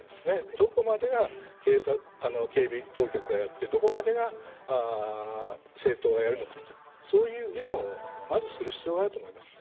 どこまでが警備当局がやってどこまでが政党がやるのかそういう議論をする必要があると思いますね。